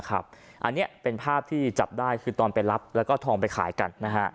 อันนี้เป็นภาพที่จับได้คือตอนไปรับแล้วก็ทองไปขายกัน